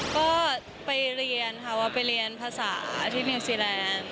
ก็ไปเรียนค่ะว่าไปเรียนภาษาที่นิวซีแลนด์